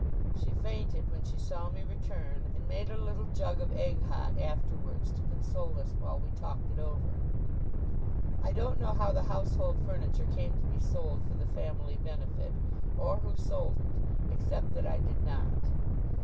She fainted when she saw me return, and made a little jug of egg hot afterwards to console us while we talked it over. I don't know how the household furniture came to be sold for the family benefit, or who sold it, except that I did not.